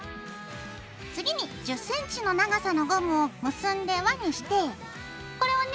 次に１０ｃｍの長さのゴムを結んで輪にしてこれをね